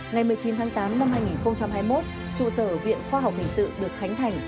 ngày một mươi chín tháng tám năm hai nghìn hai mươi một trụ sở viện khoa học hình sự được khánh thành